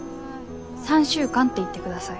３週間って言ってください。